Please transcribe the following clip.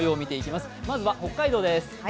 まずは北海道です。